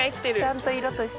ちゃんと色として。